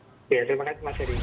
ya terima kasih mas heri